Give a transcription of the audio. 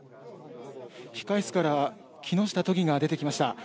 控室から木下都議が出てきま